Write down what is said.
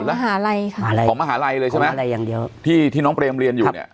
ของมหาลัยของมหาลัยเลยใช่ไหมที่น้องเปรมเรียนอยู่เนี่ย